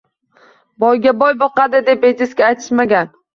Boyga boy boqadi deb bejiz aytmagan